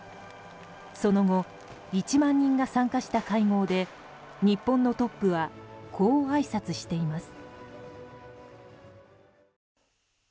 その後、１万人が参加した会合で日本のトップはこうあいさつしています。